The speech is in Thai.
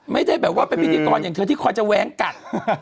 ไม่ได้แบบว่าเป็นพิธีกรอย่างเธอที่คอยจะแว้งกัด